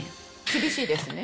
厳しいですね。